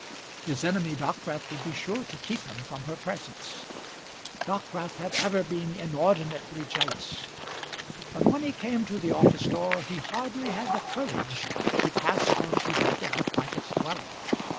His enemy, Dockwrath, would be sure to keep him from her presence. Dockwrath had ever been inordinately jealous. But when he came to the office door he hardly had the courage to pass on to that of the private dwelling.